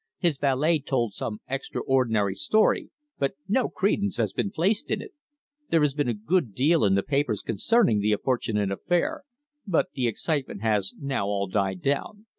His valet told some extraordinary story, but no credence has been placed in it. There has been a good deal in the papers concerning the unfortunate affair, but the excitement has now all died down.